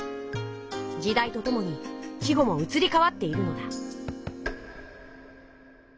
時代とともに季語もうつりかわっているのだ。